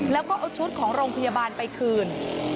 แล้วก็เอาชุดของโรงพยาบาลไปคืน